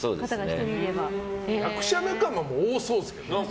役者仲間も多そうですけどね。